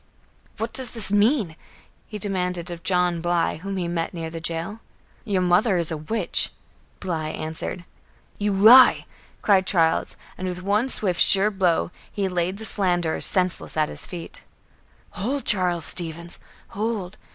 "What does this mean?" he demanded of John Bly, whom he met near the jail. "Your mother is a witch," Bly answered. "You lie!" cried Charles, and with one swift, sure blow, he laid the slanderer senseless at his feet. "Hold, Charles Stevens! Hold!